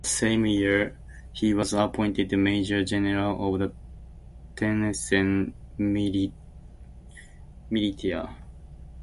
That same year, he was appointed major-general of the Tennessee militia.